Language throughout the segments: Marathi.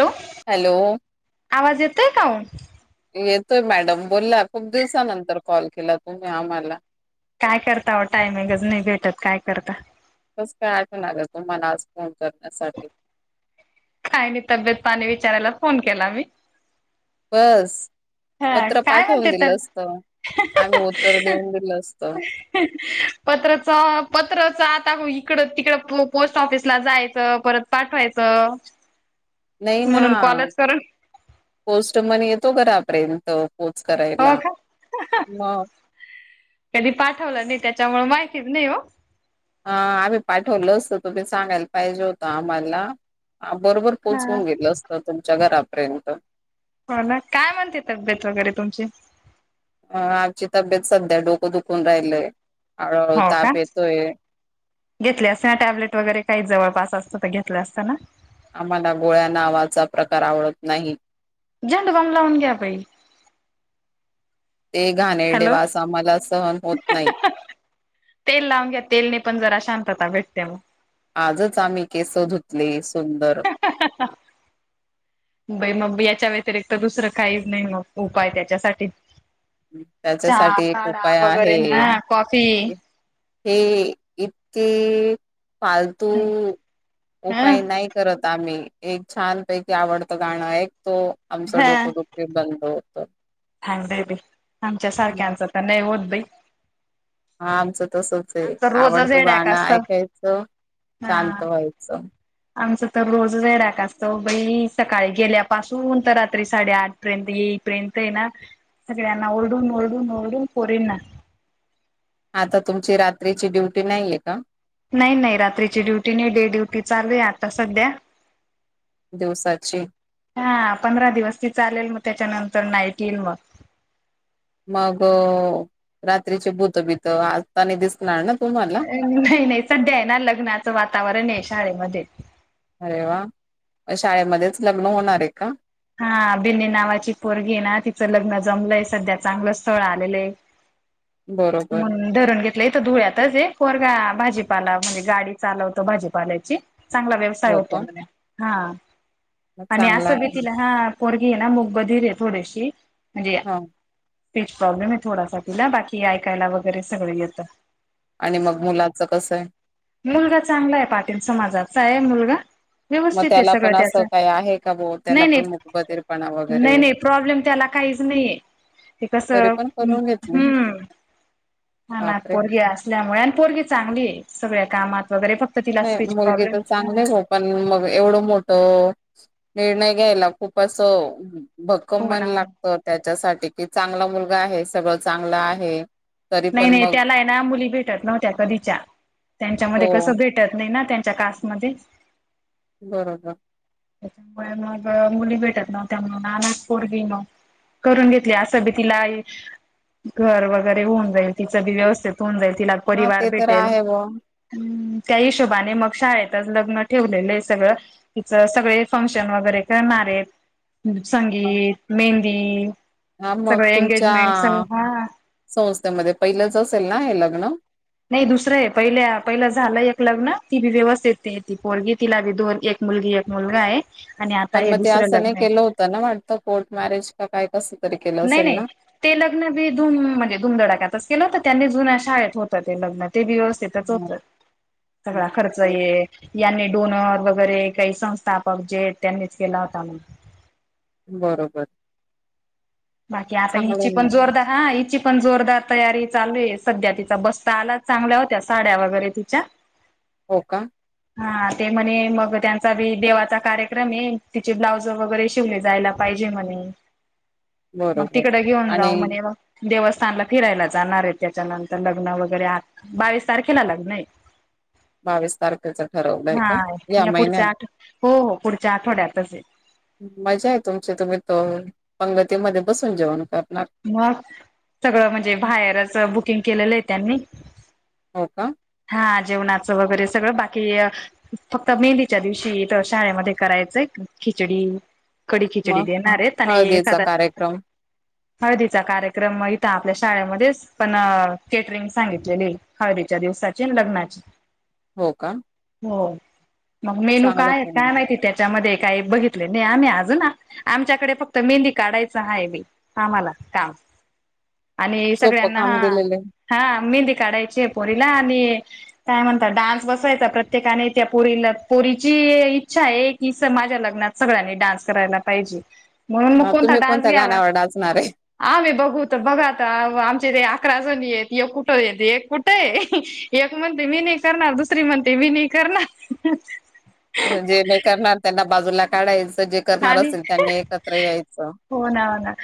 हॅलो. हॅलो. आवाज येतोय का? येतोय मॅडम बोल ना. खूप दिवसानंतर कॉल केलाय तुम्ही आम्हाला काय करता टायमिंगच नाही भेटत काय करता कसं काय आठवण आलं तुम्हांला आज फोन करण्यासाठी काय नाही तब्येत पाणी विचारायला फोन केला मी बस हा पत्र काय पाठवून म्हणते दिलं तर असत. आम्ही उत्तर देऊन दिलं असत. पत्रचं पत्रच आता इकड, तिकड पोस्ट ऑफिसला जायचं. परत पाठवायचं म्हणून कॉलेज करून पोस्ट मण येतो घरापर्यंत पोच हो करायला का म. कधी पाठवलं नाही त्याच्यामुळे माहितीच नाही हो. ह आम्ही पाठवलं असत. तुम्ही सांगायला पाहिजे होतं आम्हाला बरोबर हा पोचून दिलं असतं तुमच्या घरापर्यंत. हो ना काय म्हणते तब्येत वगैरे तुमची. अ आमची तब्येत सध्या डोकं दुखून राहिलय हळूहळू ताप येतोय. घेतले असते ना टॅब्लेट वगैरे काही जवळपास असतं तर घेतलं असतना. आम्हाला गोळ्या नावाचा प्रकार आवडत नाही. झंडू बाम लावून घ्या बाई. ते घाणेरडे हॅलो वास आम्हाला सहन होत नाहीत. तेल लावून घ्या तेलने पण जरा शांतता भेटते मग. आजच आम्ही केस धुतले सुंदर. [unintelligible] बई मग याच्या व्यतिरिक्त दुसरं काही नाही मग उपाय त्याच्यासाठी. चहा त्याच्यासाठी एक काडा उपाय वगैरे आहे. हा कॉफी. हे इतके फालतू ह उपाय नाही करत आम्ही एक छानपैकी आवडतं गाणं एक तो आमच डोको दुख बंद होत. फायदा आहे बाई आमच्या मग सारख्यांच तर नाही होत बई. हा आमचं तसच आहे आमचं रोजच आवडतं हेड्याक गाणं असत ऐकायचं हा शांत व्हायचं. आमचं तर रोज हे डॅक असतो बाई सकाळी गेल्यापासून तर रात्री साडेआठ पर्यंत येईपर्यंत आहे ना सगळ्यांना ओरडून ओरडून ओरडून पोरींना आता तुमची रात्रीची ड्युटी नाहीये का. नाही नाही रात्रीची ड्युटी नाही डे ड्युटी चालू आहे आता सध्या. दिवसाची. हा पंधरा दिवस ती चालेल मग त्याच्यानंतर नाईट येईल मग. मग रात्रीची भूतबीत आता नाही दिसणार ना तुम्हाला. नाही नाही सध्या आहे ना लग्नाचं वातावरण आहे शाळेमध्ये अरे वा शाळेमध्येच लग्न होणार आहे का. हा बिन्नी नावाची पोरगी ना तिचं लग्न जमलंय सध्या चांगलं स्थळ आलेलंय. बरोबर म्हणुन धरून घेत धुळ्याच आहेरा भाजीपाला म्हणजे गाडी चालवत भाजीपाल्याची चांगल व्यव हो का [unintelligible] हा मग आणि चांगला अस भी आहे हा पोरगी आहे ना मग बधीर आहे थोडीशी म्हणजे हा तेच प्रॉब्लेम आहे थोडासाठी ला बाकी ऐकायला वगैरे सगळ येत. आणि मग मुलाचं कसं आहे. मुलगा चांगला आहे पाटील समाजाचा आहे मुलगा. मग व्यवस्थित आहे त्याला सगळं पण त्याच असं काही आहे का भो त्याला नाही नाही पण मूकबधिर पणा नाही वगैरे. नाही प्रॉब्लेम त्याला काहीच नाहीे ये ते कस तरी पण हम्म करून घेतले हम्म हम्म. हा ना बापरे पोरगी असल्यामुळे आणि पोरगी चांगली आहे सगळ्या कामात वगैरे फक्त तिला नाही स्पीच मुलगी प्रॉब्लेम तर चांगलेच हो पण मग एवढं मोठं निर्णय घ्यायला खूप असं भक्कम मन ना हो ना लागत त्याच्यासाठी कि चांगला मुलगा आहे सगळं चांगलं आहे. तरी नाही पण नाही मग त्याला आहे ना मुली भेटत नव्हत्या कधीच्या त्यांच्यामध्ये हो कसं भेट भेटत नाही ना त्यांच्या कास्टमध्ये बरोबर. त्याच्यामुळे मग मुली भेटत नो होत्या म्हणून अनाथ पोरगी म करून घेतली असं बी तिला घर वगैरे होऊन जाईल तिच भी व्यवस्थित होऊन जाईल तिला हा परिवार ते तर भेटेल. आहे ब हम्म त्या हिशोबाने मग शाळेतच लग्न ठेवलेलं आहे सगळं. तिचं सगळे फंक्शन वगैरे करणार आहेत. संगीत, मेहंदी, हा मग सगळे तुमच्या एंगेजमेंट सगळ हा. संस्थेमध्ये पहिलंच असेल ना हे लग्न? नाही दुसरं आहे पहिल्या पहिलं झालं एक लग्न ती बी व्यवस्थित ती पोलगी तिला बी दोन एक मुलगी एक मुलगा आहे, आणि आता पण हे मग ते दुसरं असं नाही लग्न केलं आहे होतं ना वाटतं कोर्ट मॅरेज का काय कसं तरी केलं नाही असेल नाही ना. ते लग्न बी धूम म्हणजे धुमधडाक्यातच केलं होतं त्यांनी जुन्या शाळेत होतं ते लग्न ते व्यवस्थित. त्यिच हां, होत हं. सगळा खर्च ये. यांनी डोनर वगैरे काही संस्थापक जे त्यांनीच केला होता मग. बरोबर बाकी आता चांगलं हिची आहे पण मग जोरदार हा हीची. पण जोरदार तयारी चालू आहे सध्या तिचा बसता आला चांगल्या होत्या साड्या वगैरे तिच्या. हो का हा ते म्हणे मग त्यांचा बी देवाचा कार्यक्रम आहे तिचे ब्लाउज वगैरे शिवले जायला. पाहिजे म्हणे, मग बरोबर तिकड घेऊन आणि जाऊ म्हणजे देवस्थानला फिरायला जाणार आहे त्याच्यानंतर लग्न वगैरे आ बावीस तारखेला लग्न हाय. बावीस तारखेच ठरवलंय हा का या पुढच्या महिन्यात आठ हो हो पुढच्या आठवड्यातच आहे. मजा आहे तुमची तुम्ही त पंगतीमध्ये बसून जेवण करणार मग सगळं म्हणजे बाहेरच बुकिंग केलेलं आहे त्यांनी हो का हा जेवणाचं वगैरे सगळं बाकी. फक्त मेहंदीच्या दिवशी तर शाळेमध्ये करायचंय खिचडी. कडी खिचडी मग देणार रे तने हळदीचा एखादा. कार्यक्रम हळदीचा कार्यक्रम इथ आपल्या शाळेमध्येच. पण कॅटरिंग सांगितलेली हळदीच्या दिवसाची लग्नाची. हो का हो मग मेनू चांगलं काय केलं काय माहिती त्या. त्याच्यामध्ये काही बघितले नाही आम्ही अजून ना आमच्याकडे फक्त मेहंदी काढायचं हा मी. आम्हाला काम आणि सोपं सगळ्यांना काम हा. दिलेलं आहे. हा मेहंदी काढायची आहे पोरीला आणि. काय म्हणता. डान्स बसायचा प्रत्येकाने त्या पुरीला पुरीची इच्छा आहे एक. ही स माझ्या लग्नात सगळ्यांनी डान्स करायला पाहिजे. म्हणून मग कोणता तुम्ही डान्स कोणत्या घ्यावा गाण्यावर डाचणार आहे? आमही बघूत बघाात आमचे ते अकराजण आहेत कुठ य एक कुठं आहे एक म्हणते मी नाही करणार दुसरी म्हणते मी नाही करणार जे नाही करणार त्यांना बाजूला काढायचं जे करणार आणि असेल त्यांनी एकत्र यायचं हो ना हो ना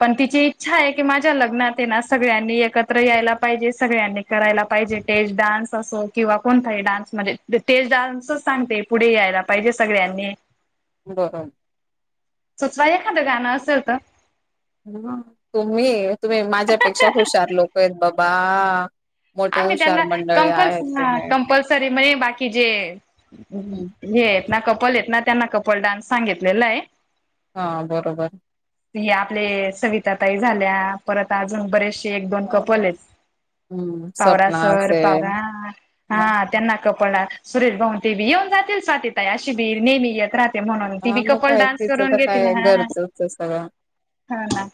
पण तिची इच्छा आहे की माझ्या लग्नात आहे ना सगळ्यांनी एकत्र यायला पाहिजे सगळ्यांनी करायला पाहिजे टेज डान्स असो किंवा कोणताही डान्समध्येध्ये तेज डान्सच सांगते. पुढे यायला पाहिजे सगळ्यांनी. हो. सुचवा एखादा तें गाणं असेल तरी. ह तुम्ही तुम्ही माझ्यापेक्षा हुशार लोक आहेत बाबा मोठे त्यांना हुशार मंडळी कंप आहेत तुम्ही कंपल्सरी म्हणजे बाकी जे. हे येत ना कपल येत ना त्यांना कपल डान्स सांगितलेला आहे हा बरोबर ह आपले सविता ताई झाल्या परत अजून बरेचसे एक दोन कपल आहेत. हम्म पवरा सपना सर, पवरा असेल हा मग त्यांना कपल सुरेश भाऊते बी येऊन जातील स्वातीताई आशी भी नेहमी येत राह ते म्हणून ती हा बी मग कपल काय डान्स तिचं करून तर घेतील काय हा घरचच आहे सगळं. हा ह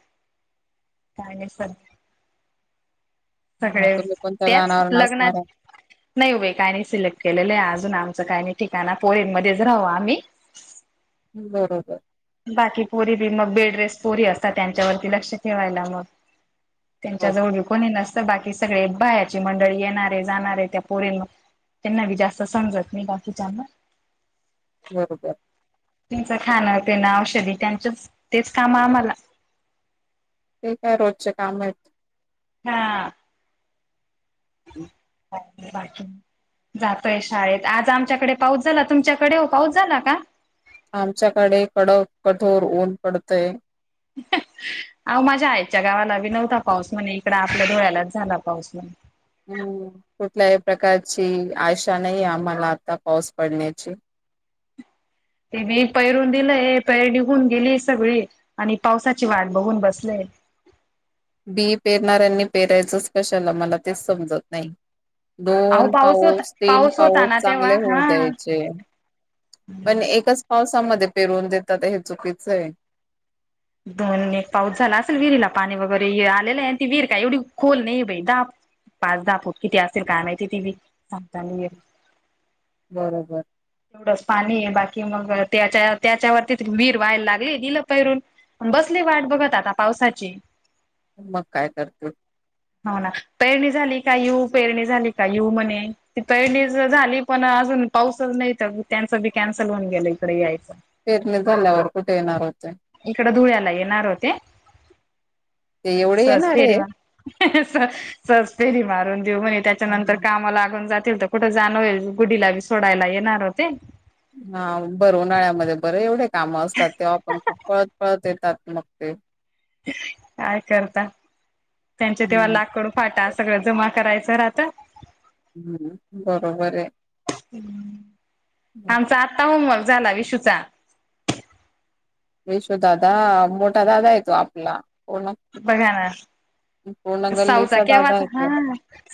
का स ग सगळे तुम्ही कोणत्या त्याच गानावर नाचणार लग्नात आहे. नाही उभे काही नाही सिलेक्ट केलेले आहे अजून आमचं काही नाही ठिकाण फोर इन मध्येच राहाव आम्ही बरोबर बाकी पोरी बी मग बेड रेस पोरी असतात त्यांच्यावरती लक्ष ठेवायला मग त्यांच्या हो जवळ कोणी नसतं बाकी सगळे बाहेरची मंडळी येणारे जाणारे त्या पोर त्यांना बी जास्त समजत नाही बाकीच्याना- बरोबर त्यांचं खाणं त्यांना औषधी त्यांच तेच काम आम्हाला ते काय रोजचे काम आहेत. हा हम्म बाकी जातोय शाळेत आज आमच्याकडे पाऊस झाला? तुमच्याकडे हो पाऊस झाला का? आमच्याकडे कडक, कठोर ऊन पडतय. अहो माझ्या आईच्या गावाला बी नव्हता पाऊस म्हणे इकड आपल्या धुळ्यालाच झाला पाऊस म्हण हम् कुठल्याही प्रकारची आशा नाही आम्हाला आता पाऊस पडण्याची ते मी पैरून दिलंय पैर निघून गेली सगळी आणि पावसाची वाट बघून बसलेय. बी पेरणाऱ्यांनी पेरायचंच कशाला मला तेच समजत नाही. अहो दोन होता पाऊस, तीन होता पाऊस, ना चांगले तेव्हा होऊ हा द्यायचे. पण एकच पावसामध्ये पेरवून देतात हे चुकीचं आहे. दोन एक पाऊस झाला असेल विहिरीला पाणी वगैरे आलेलं आहे आणि ती विहीर काय एवढी खोल नाही बाई दा पाच दहा फूट किती असेल काय माहिती ती सांगता नाही येत. बरोबर एवढंच पाणी बाकी मग त्याच्या त्याच्यावरतीच वीर व्हायला लागले दिलं पहिरून बसली वाट बघत आता पावसाची मग काय करतो. ह हो ना पेरणी झाली का यू पेरणी झाली का यू म्हणे ती पेरणी झाली पण अजून पाऊसच नाही तर त्यांचं बी कॅन्सल होऊन गेलं इंकडं यायचं पेरणी झाल्यावर कुठे येणार होते. इकड धुळ्याला येणार होते ते एवढे सहज येणार फेरी आहे. म्हण सहज फेरी मारून देऊ म्हणे, त्याच्यानंतर हम्म. कामा लागून जातील त कुठं जाण होईल गुड्डीला बी सोडायला येणार होते. हा भरं उन्हाळ्यामध्ये बर एवढे काम असतात तेव्हा आपण खूप पळत पळत येतात मग ते काय करता त्यांचे तेव्हा हम्म लाकडू फाटा सगळ जमा करायचं राहता. हम् बरोबर आहे. आता होमवर्क झाला इशू च विशूदादा मोठा दादा य तो आपला पूर्ण बघा ना, पूर्ण सावचा गल्लीचा दादा केव्हाचा आहे हा तो.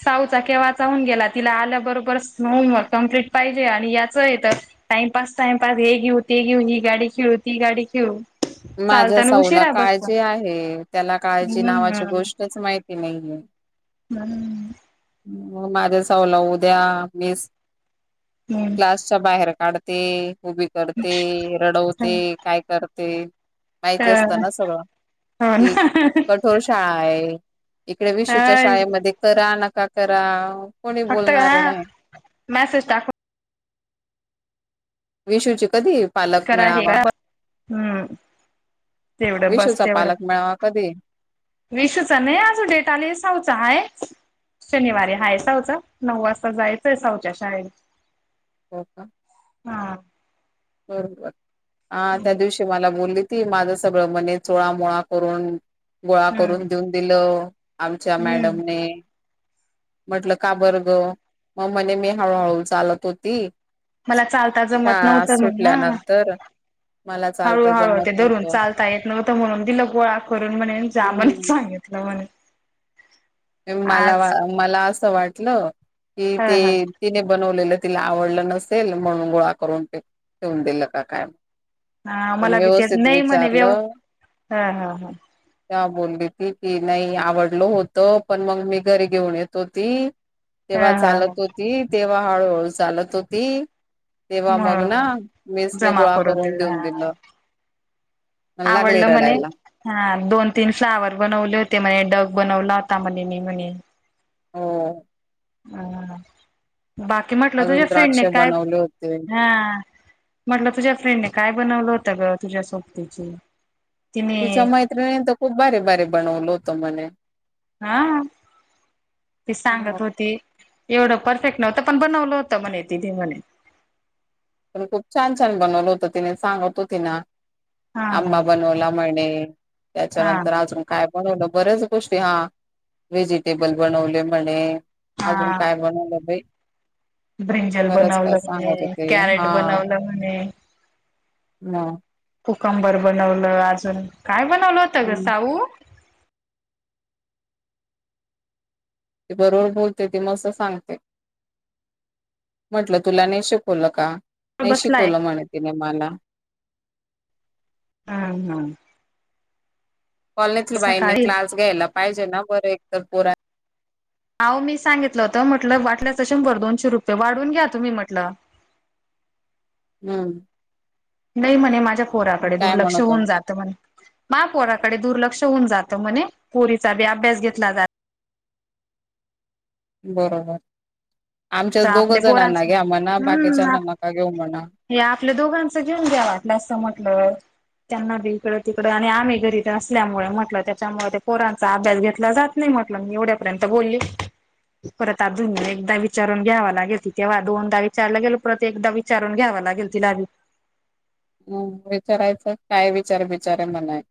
साऊचा कें्हाचा होऊन गेला तिला आल्याबरोबर होमवर्क कंप्लीट पाहिजे आणि याच येत टाइमपास टाइमपास हे घेऊ ते घेऊ ही गाडी खेळू ती गाडी खेळू माझ्या चालताना साऊला उशिरा बसतो काळजी आहे, त्याला काळजी नावाची हम्म गोष्टच माहिती नाहीये. मम् माझ्या सवला उद्या मी क्लास चा बाहेर काढते, उभी करते, हम्म रडवते, काय करते. माहिती तर असत ना सगळं हो की ना ोर शाळा आहे इकडे विश्ूच्या शाळेमध्ये करा नका करा कोणी फक्त बोलणार का नाही. मॅसेज टाकव. विशूची कधी पालक करा हे मिळावा. करा हम्म तेवढं बस विशूचा पालक मिळावा कधी विशचा नाही अजं डेट आलीसवचा आहे. शनिवारी हाय सावचा नऊ वाजता जायचं आहे सावच्या शाळेत. हो का. हा. बरोबर हा त्या हम्म दिवशी मला बोलली ती माझं सगळं मणे चोळामळा करून गोळा करून देऊन दिलं आमच्या हम्म मॅडमने म्हटलं का बर्ग मग म्हणे मी हळूहळू चालत होती मला चालता श जमत नव्हतं सुटल्यानंतर मला. हळू चालता हळू जमत ते धरून नव्हतं चालता येत नव्हतं म्हणून दिलं गोळा करून म्हणे जा म्हण हम्म सांगित. कवाण. मला वा मला असं वाटलं की ह ते. ह तिने बनवलेलं तिला आवडलं नसेल म्हणून गोळा करून ठेवून दिलं का काय. हा पण आमला भी त्यात व्यवस्थित नाही म्हणे व्यव विचारलं ह ह हा. बोलली ती की नाही आवडलो होत. त पण मग मी घरी घेऊन येत होती ह तेव्हा ह ह चालत होती. ती तेव्हा हळूहळू चालत होती. तेव्हा मग ना म्हणून मीसने गोळा करून देऊन दिलं. आणि लागली आवडल म्हणे. रडायला हा दोन तीन फ्लावर बनवले होते म्हणे डग बनवला होता म्हणे मी म्हणे. हो अ बाकी म्हटलं अजून तुझ्या द्राक्ष फ्रेंडने काय बनवले होते हा. म्हटलं तुझ्या फ्रेंड ने काय बनवलं होतं ग तुझ्या सोबतीची. तिने तिच्या मैत्रीणी तर खूप बारी बारी बनवलो होतो मने.. हा तेी सांगत होती एवढं परफेक्ट नव्हतं पण बनवलं होत म्हणे तिथी म्हणे. पण खूप छान छान बनवलं होतं तिने सांगत हो तिना हा हा आंबा बनवला म्हणे. हा त्याच्यानंतर आज. काय बनवलं बऱ्याच गोष्टी हा व्हेजिटेबल बनवले म्हणे. अजून हा काय बनलं बाई. ब्रिंजल बरंच काय बनवलं सांगत म्हणे होते कॅरेट हा बनवलं म्हणे. मग पूकंबर बनवलं अजून काय बनवलं होत ग हं. साऊ. ते बरोबर बोलते तेी मस् सांगते. म्हटलं तुला नाही शिकवलं का. नाही बसलाय शिकवलं म्हण त नाही मला. हम्म हम्म कॉलेजला बाईने सकाळी क्लास घ्यायला पाहिजे ना बरं एक तर पुर. अह मी सांगितलं हो तर म्हटलं वाटल्याचं शंभर दोनशे रुपये वाढून घ्या तुम्ही म्हटलं. हम्म. नाही म्हणे माझ्या पोराकडे काय दुर्लक्ष म्हणत होत होऊन जात. महापोराकडे दुर्लक्ष होऊन जात म्हणे पोरीचा बी अभ्यास घेतला जात. बरोबर आमच्या दोघ आपल्या जणांना पोरांचा घ्या म्हणा हम्म बाकीच्याणना का घेऊ म्हणा. हे आपल्या दोघांच जीवन घ्या वाटलं असं म्हटल. त्यांना बी इकडं तिकडं आणि आम्ही घरी असल्यामुळे म्हटलं त्याच्यामुळे ते पोरांचा अभ्यास घेतला जात. नाही म्हटलं मी एवढ्यापर्यंत बोलल परत अजून एकदाच. विचारून घ्यावा लाेल तेव्हा दोनदा विचारला गेलो परत एकदा विचारून घ्यावा लागेल तिला. हम विचारायचं काय विचार बचारे मणाय.